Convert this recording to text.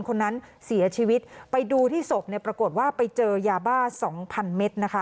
คนนั้นเสียชีวิตไปดูที่ศพเนี่ยปรากฏว่าไปเจอยาบ้าสองพันเมตรนะคะ